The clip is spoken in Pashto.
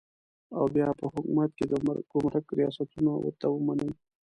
او بیا په حکومت کې د ګمرک ریاستونه ورته ومني.